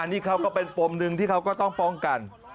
นี่เขาก็เป็นปมหนึ่งที่เขาก็ต้องป้องกัน